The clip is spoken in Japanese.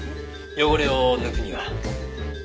汚れを抜くには。